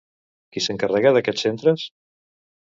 Qui s'encarrega d'aquests centres?